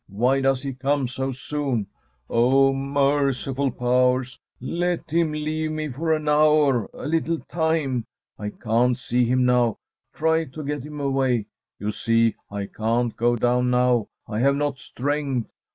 Why does he come so soon? O Merciful Powers! let him leave me for an hour; a little time. I can't see him now; try to get him away. You see I can't go down now; I have not strength.